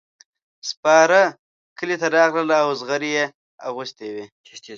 سپاره کلي ته راغلل او زغرې یې اغوستې وې.